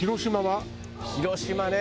広島ね。